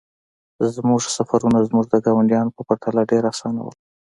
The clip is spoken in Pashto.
زموږ سفرونه زموږ د ګاونډیانو په پرتله ډیر اسانه وو